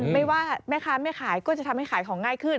ไม่ว่าแม่ค้าไม่ขายก็จะทำให้ขายของง่ายขึ้น